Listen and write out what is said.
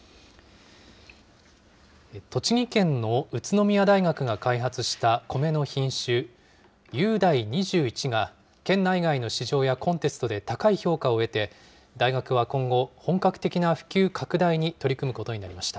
栃木県の宇都宮大学が開発したコメの品種、ゆうだい２１が、県内外の市場やコンテストで高い評価を得て、大学は今後、本格的な普及拡大に取り組むことになりました。